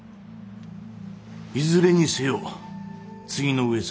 いずれにせよ次の上様はご成人。